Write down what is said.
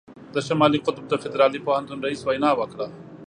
د شمالي قطب د فدرالي پوهنتون رييس وینا وکړه.